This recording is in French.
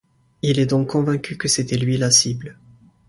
Il est donc convaincu que c'était lui la cible.